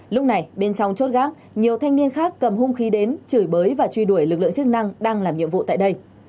lúc này bên trong chốt gác nhiều thanh niên khác cầm hung khí đến chửi bới và truy đuổi lực lượng chức năng đang làm nhiệm vụ tại đây